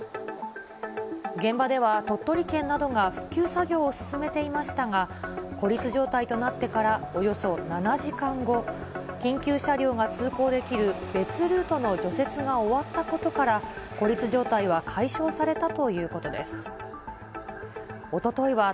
現場では鳥取県などが復旧作業を進めていましたが、孤立状態となってからおよそ７時間後、緊急車両が通行できる別ルートの除雪が終わったことから、孤立状態は解消されたということです。